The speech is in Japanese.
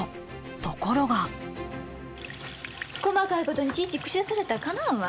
ところが細かいことにいちいち口出されたらかなわんわ。